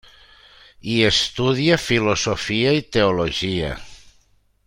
Hi estudià filosofia i teologia.